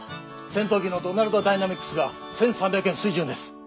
戦闘機のドナルド・ダイナミクスが１３００円水準です。